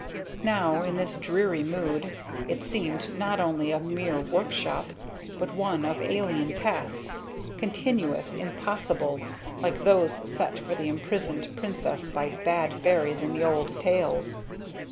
Now, in this dreary mood, it seemed not only a mere workshop, but one of alien tasks, continuous, impossible, like those set for the Imprisoned Princess by bad fairies in the old tales.